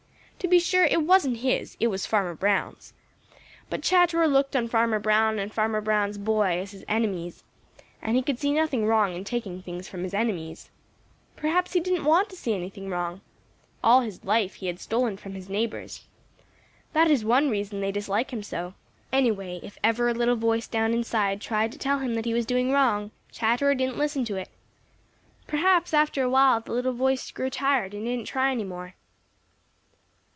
To be sure, it wasn't his; it was Farmer Brown's. But Chatterer looked on Farmer Brown and Farmer Brown's boy as his enemies, and he could see nothing wrong in taking things from his enemies. Perhaps he didn't want to see anything wrong. All his life he had stolen from his neighbors. That is one reason they dislike him so. Anyway, if ever a little voice down inside tried to tell him that he was doing wrong, Chatterer didn't listen to it. Perhaps, after a while, the little voice grew tired and didn't try any more.